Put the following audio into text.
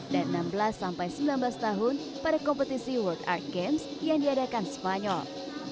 dan enam belas sembilan belas tahun pada kompetisi world art games yang diadakan spanyol